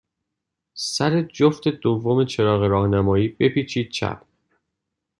سر جفت دوم چراغ راهنمایی، بپیچید چپ.